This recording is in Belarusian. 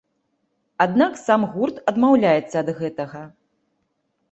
Аднак сам гурт адмаўляецца ад гэтага.